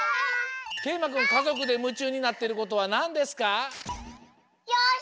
けいまくんかぞくでむちゅうになってることはなんですか？